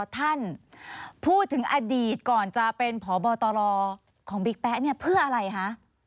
ท่านพูดถึงอดีตก่อนจะเป็นพบตรของบิ๊กแป๊ะเนี่ยเพื่ออะไรคะ